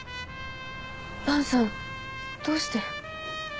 萬さんどうして。